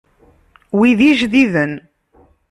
Wi d ijdiden.